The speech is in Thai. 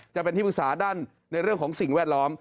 จะเป็นที่ปรึกษาด้านในเรื่องของสิ่งแวดล้อม